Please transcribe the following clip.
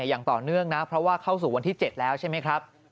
อย่างต่อเนื่องนะเพราะว่าเข้าสู่วันที่๗แล้วใช่ไหมครับ